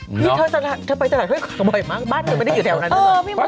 เธอไปตลาดเกาะไหวมั้งบ้านหนึ่งมันได้อยู่แถวนั้น